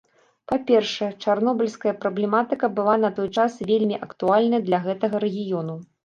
Па-першае, чарнобыльская праблематыка была на той час вельмі актуальная для гэтага рэгіёну.